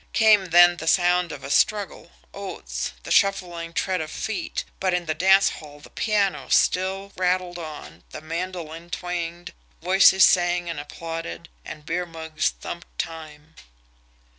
Came then the sound of a struggle, oaths, the shuffling tread of feet but in the dance hall the piano still rattled on, the mandolin twanged, voices sang and applauded, and beer mugs thumped time.